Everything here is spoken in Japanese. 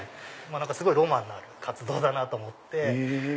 すごいロマンのある活動だなと思って。